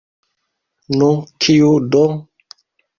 Nu, kiu do?